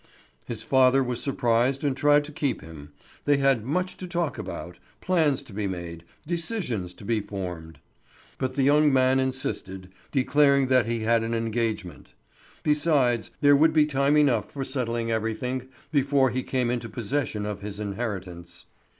His father was surprised and tried to keep him; they had much to talk about, plans to be made, decisions to be formed. But the young man insisted, declaring that he had an engagement. Besides, there would be time enough for settling everything before he came into possession of his inheritance.